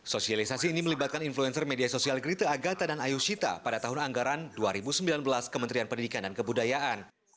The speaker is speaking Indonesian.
sosialisasi ini melibatkan influencer media sosial grite agata dan ayu shita pada tahun anggaran dua ribu sembilan belas kementerian pendidikan dan kebudayaan